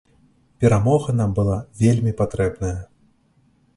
Перамога нам была вельмі патрэбная.